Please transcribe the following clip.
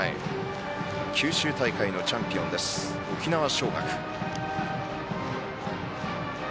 九州大会のチャンピオン沖縄尚学。